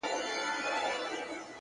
پاس توتكۍ راپسي مه ږغـوه ـ